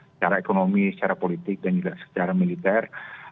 secara ekonomi secara politik dan juga secara militer